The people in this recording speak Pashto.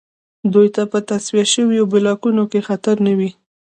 دوی ته به په تصفیه شویو بلاکونو کې خطر نه وي